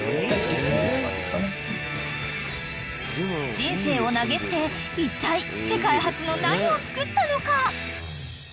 ［人生を投げ捨ていったい世界初の何を作ったのか］